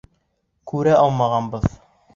Күрә алмағанбыҙ!